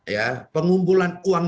ya pengumpulan uang